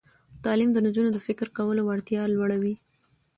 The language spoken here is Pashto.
تعلیم د نجونو د فکر کولو وړتیا لوړوي.